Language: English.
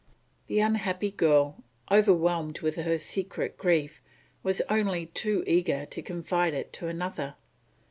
The unhappy girl, overwhelmed with her secret grief, was only too eager to confide it to another.